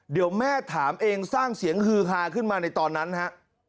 เดี๋ยวแม่ถามเองสร้างเสียงฮือฮาขึ้นมาในตอนนั้นฮะ